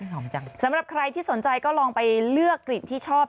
สำหรับใครที่สนใจก็ลองไปเลือกกลิ่นที่ชอบ